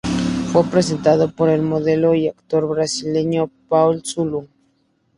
Fue presentado por el modelo y actor brasileño Paulo Zulu.